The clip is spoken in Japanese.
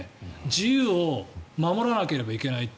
自由を守らなければいけないと。